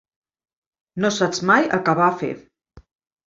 No saps mai el que va a fer.